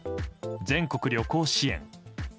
全国旅行支援。